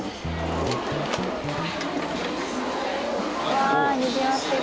わあにぎわってる。